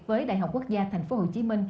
với đại học quốc gia tp hcm